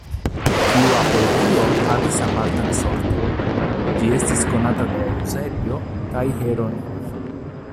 Tiu apologio havis apartan sorton, Ĝi estis konata de Eŭsebio kaj Hieronimo.